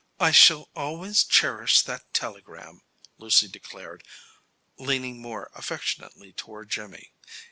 "I shall always cherish that telegram," Lucy declared, leaning more affectionately toward Jimmy.